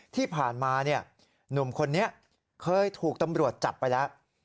ที่ผ่านมาหนุ่มคนนี้เคยถูกตำรวจจับไปแล้ว